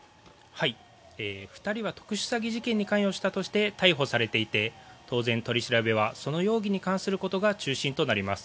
２人は特殊詐欺事件に関与したとして逮捕されていて当然、取り調べはその容疑に関することが中心となります。